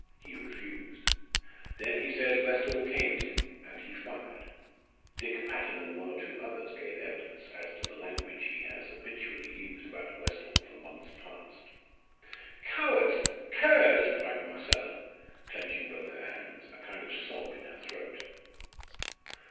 He refused. Then he says Westall came at him, and he fired. Dick Patton and one or two others gave evidence as to the language he has habitually used about Westall for months past." "Cowards curs!" cried Marcella, clenching both her hands, a kind of sob in her throat.